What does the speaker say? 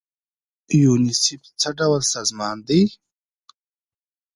یونیسف څه ډول سازمان دی؟